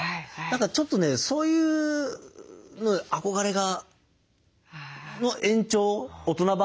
何かちょっとねそういう憧れがの延長大人版がそれ